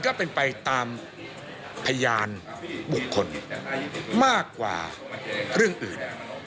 ก็เป็นไปตามพยานบุคคลมากกว่าเรื่องอื่น